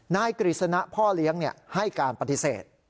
กฤษณะพ่อเลี้ยงให้การปฏิเสธ